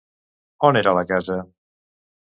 On era la casa?